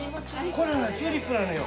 これねチューリップなのよ。